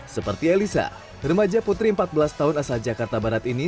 seperti elisa remaja putri empat belas tahun asal jakarta barat ini